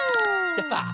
やった！